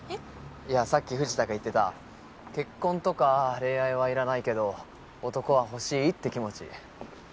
いやさっき藤田が言ってた結婚とか恋愛はいらないけど男は欲しいって気持ち。